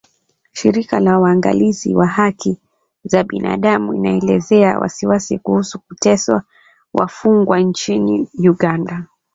Shirika la Waangalizi wa Haki za Binaadamu inaelezea wasiwasi kuhusu kuteswa wafungwa nchini Uganda